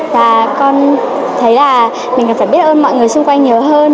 và con thấy là mình phải biết ơn mọi người xung quanh nhiều hơn